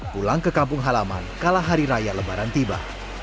pulang ke kampung halaman kala hari raya lebaran tiba